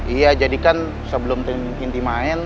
iya jadikan sebelum tim inti main